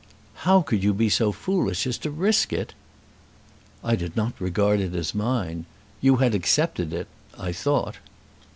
"How could you be so foolish as to risk it?" "I did not regard it as mine. You had accepted it, I thought."